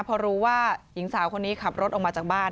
พอรู้ว่าหญิงสาวคนนี้ขับรถออกมาจากบ้าน